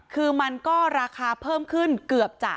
ก็ราคาเพิ่มขึ้นเกือบจะ